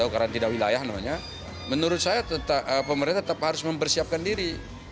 karena tidak wilayah namanya menurut saya pemerintah tetap harus mempersiapkan diri